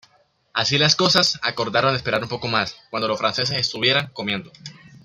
Así las cosas, acordaron esperar un poco más, cuando los franceses estuvieran comiendo.